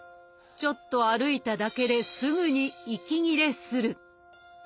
ちょっと歩いただけですぐに息切れする。